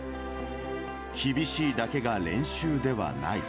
厳しいだけが練習ではない。